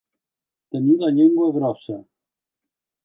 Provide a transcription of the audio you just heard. Tenir la llengua grossa.